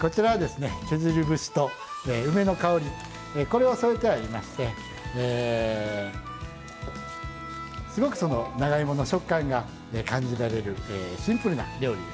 これを添えてありましてすごくその長芋の食感が感じられるシンプルな料理ですね。